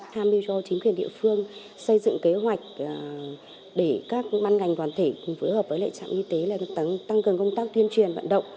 tham yêu cho chính quyền địa phương xây dựng kế hoạch để các băn ngành toàn thể phù hợp với trạm y tế tăng cường công tác tuyên truyền vận động